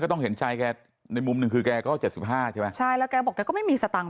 ก็ต้องเห็นชายแม่หนึ่งคือแกก็๗๕ใช่ไหมใช่แล้วแกบอกแล้วไม่มีสตางค์